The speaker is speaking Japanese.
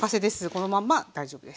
このまんま大丈夫です。